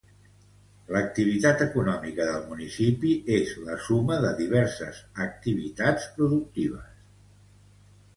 L'activitat econòmica del municipi és la suma de diverses activitats productives.